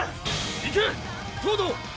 行け東堂！